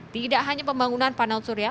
tidak hanya pembangunan panel surya